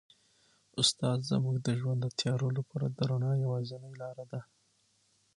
استاد زموږ د ژوند د تیارو لپاره د رڼا یوازینۍ لاره ده.